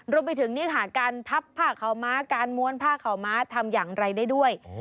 รวมไปถึงนี่ค่ะการทับผ้าขาวม้าการม้วนผ้าขาวม้าทำอย่างไรได้ด้วย